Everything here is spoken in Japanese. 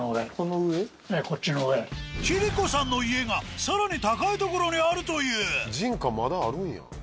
キリコさんの家がさらに高い所にあるという人家まだあるんや。